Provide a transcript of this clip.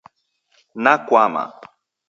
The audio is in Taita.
Nakwama